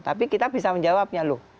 tapi kita bisa menjawabnya loh